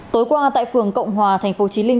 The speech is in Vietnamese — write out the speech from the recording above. tối qua tại phường cộng hòa tp chí linh